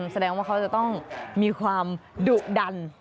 แสดงว่าเขาจะต้องมีความดุดัน